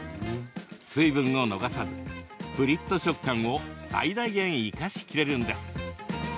水分を逃さず、プリっと食感を最大限、生かしきれるんです。